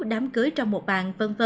đám cưới trong một bản v v